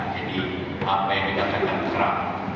jadi apa yang dikatakan keras